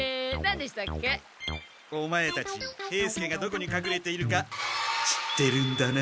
オマエたち兵助がどこにかくれているか知ってるんだな？